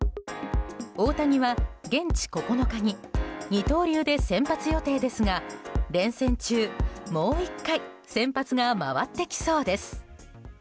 大谷は現地９日に二刀流で先発予定ですが連戦中、もう１回先発が回ってきそうです。